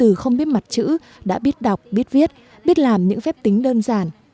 nhiều em từ không biết mặt chữ đã biết đọc biết viết biết làm những phép tính đơn giản